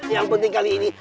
yang penting kali ini